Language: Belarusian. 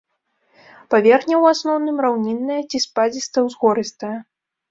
Паверхня ў асноўным раўнінная ці спадзіста-ўзгорыстая.